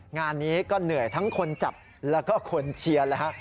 งานนี้ก็เหนื่อยทั้งคนจับแล้วก็คนเชียร์เลยฮะ